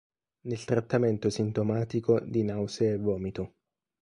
Nel trattamento sintomatico di nausea e vomito.